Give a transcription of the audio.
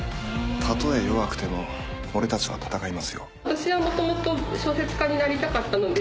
たとえ弱くても俺たちは戦いますよ。